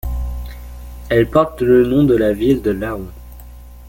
Elle porte le nom de la ville de Laon.